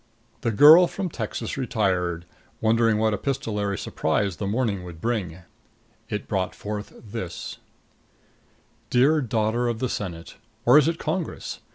The girl from Texas retired, wondering what epistolary surprise the morning would bring forth. It brought forth this: DEAR DAUGHTER OF THE SENATE: Or is it Congress?